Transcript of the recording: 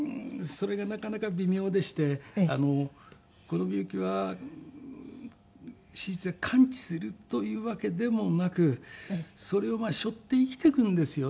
それがなかなか微妙でしてこの病気は手術で完治するというわけでもなくそれを背負って生きていくんですよね。